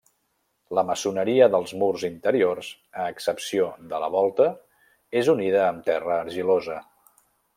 La maçoneria dels murs interiors, a excepció de la volta, és unida amb terra argilosa.